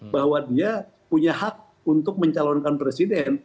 bahwa dia punya hak untuk mencalonkan presiden